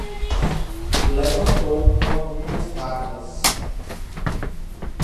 Levantou algumas vacas